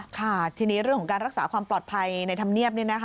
ค่ะทีนี้เรื่องของการรักษาความปลอดภัยในธรรมเนียบ